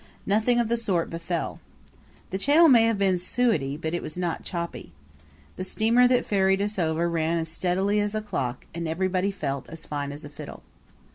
Nothing of the sort befell. The channel may have been suetty but it was not choppy. The steamer that ferried us over ran as steadily as a clock and everybody felt as fine as a fiddle.